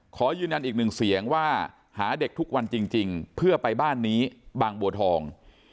ขอยืนยันอีกหนึ่งเสียงว่าหาเด็กทุกวันจริงเพื่อไปบ้านนี้บางบัวทอง